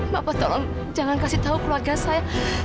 bapak tolong jangan kasih tahu keluarga saya